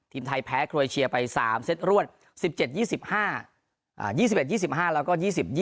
ทีมไทยแพ้โครเอเชียไป๓เซตรวด๑๗๒๕๒๑๒๕แล้วก็๒๐๒๒